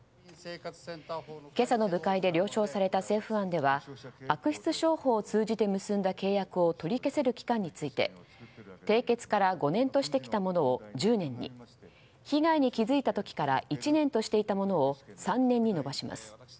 今朝の部会で了承された政府案では悪質商法を通じて結んだ契約を取り消せる期間について締結から５年としてきたものを１０年に被害に気付いた時から１年としていたものを３年に延ばします。